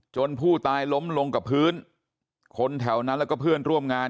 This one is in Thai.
ผู้ตายล้มลงกับพื้นคนแถวนั้นแล้วก็เพื่อนร่วมงาน